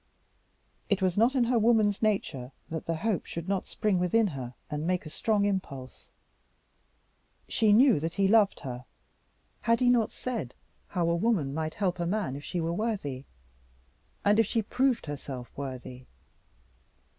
It was not in her woman's nature that the hope should not spring within her and make a strong impulse. She knew that he loved her: had he not said how a woman might help a man if she were worthy? and if she proved herself worthy?